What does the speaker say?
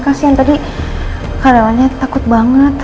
kasian tadi karyawannya takut banget